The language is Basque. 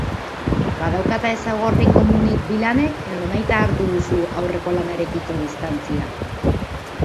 Badaukate ezaugarri komunik bi lanek edo nahita hartu duzu aurreko lanarekiko distantzia?